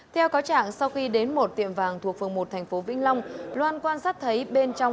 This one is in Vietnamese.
theo cáo trạng sau khi đến một tiệm vàng thuộc phòng một tp vĩnh long loan quan sát thấy bên trong